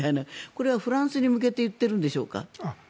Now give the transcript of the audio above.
これはフランスに向けて言っているんでしょうか？